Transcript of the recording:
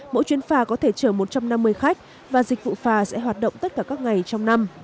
mỗi chuyến phà có thể chở một trăm năm mươi khách và dịch vụ phà sẽ hoạt động tất cả các ngày trong năm